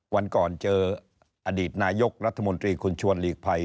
วันก่อนเจออดีตนายกรัฐมนตรีคุณชวนหลีกภัย